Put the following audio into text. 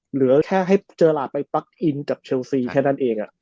เหลือแค่ให้เจอหลาดไปปั๊กอินกับเชลซีแค่นั้นเอง